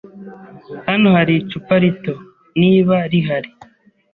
Hano hari icupa rito, niba rihari